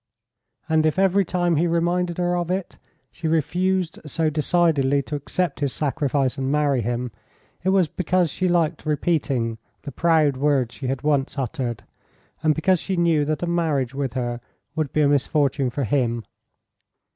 And if every time he reminded her of it, she refused so decidedly to accept his sacrifice and marry him, it was because she liked repeating the proud words she had once uttered, and because she knew that a marriage with her would be a misfortune for him.